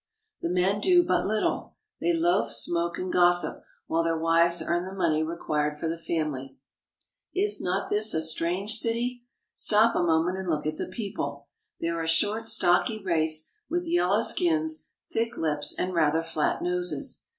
The men do but little. They loaf, smoke, and gossip, while their wives earn the money required for the family. Is not this a strange city ? Stop a moment and look at the people. They are a short, stocky race with yellow skins, thick lips, and rather flat noses.